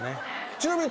ちなみに。